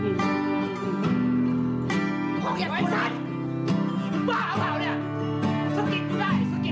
ก็เดินตรงมาเลยนะ